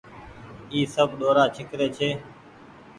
اي سب ڏورآ ڇيڪري ڇي۔